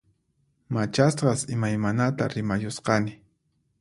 Machasqas imaymanata rimayusqani